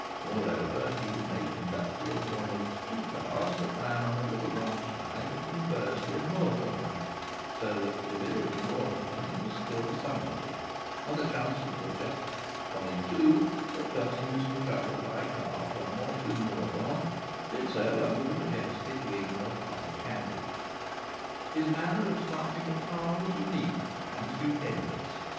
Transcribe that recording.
Moreover, he was made conductor of one of two cars that ran on a little branch line between Bursley and Moorthorne, so that to the village of Moorthorne he was still somebody, and the chances were just one to two that persons who travelled by car from or to Moorthorne did so under the majestic wing of Thomas Chadwick. His manner of starting a car was unique and stupendous.